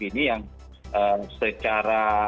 ini yang secara